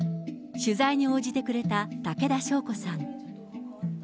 取材に応じてくれた武田ショウコさん。